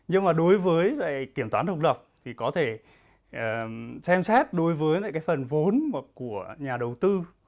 nhưng mà đối với kiểm toán độc lập thì có thể xem xét đối với lại cái phần vốn của nhà đầu tư